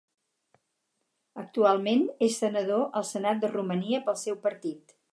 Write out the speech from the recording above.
Actualment és senador al Senat de Romania pel seu partit.